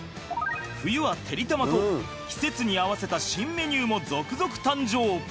冬はてりたまと季節に合わせた新メニューも続々誕生。